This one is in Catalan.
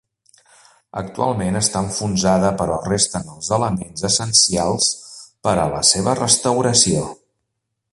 Actualment està enfonsada però resten els elements essencials per a la seva restauració.